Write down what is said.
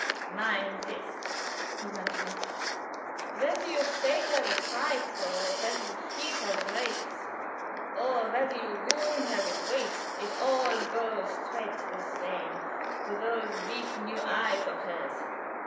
"Mind this!" he went on. "Whether you shake her with frights, or whether you heat her with rages, or whether you wound her with griefs it all goes straight the same to those weak new eyes of hers.